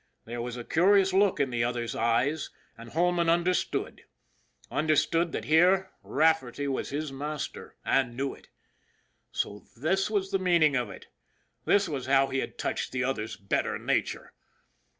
There was a curious look in the other's eyes, and Holman under stood. Understood that here Rafferty was his master and knew it. So this was the meaning of it. This was how he had touched the other's better nature!